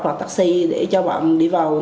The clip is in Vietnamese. hoặc taxi để cho bạn đi vào